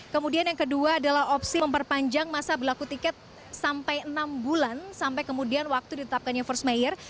kemudian yang kedua adalah opsi memperpanjang masa berlaku tiket sampai enam bulan sampai kemudian waktu ditetapkannya first mayer